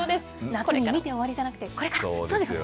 夏に見て終わりじゃなくて、これから。